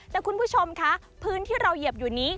แต่คุณผู้ชมคะพื้นที่เราเหยียบอยู่นี้